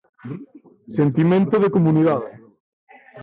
Sentimento de comunidade.